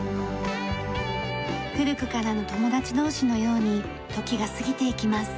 古くからの友達同士のように時が過ぎていきます。